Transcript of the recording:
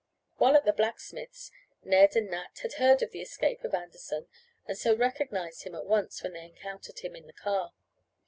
While at the blacksmith's Ned and Nat had heard of the escape of Anderson and so recognized him at once when they encountered him in their car.